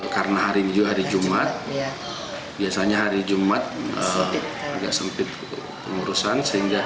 karena hari ini juga hari jumat biasanya hari jumat agak sempit pengurusan